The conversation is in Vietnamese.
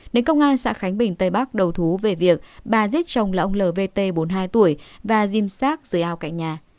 đến công an xã khánh bình tây bắc đầu thú về việc bà giết chồng là ông l v t bốn mươi hai tuổi và dìm sát dưới ao cạnh nhà